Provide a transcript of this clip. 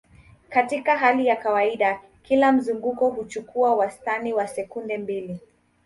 Katika hali ya kawaida, kila mzunguko huchukua wastani wa sekunde mbili.